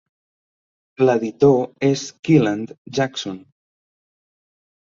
L'editor és Kyeland Jackson.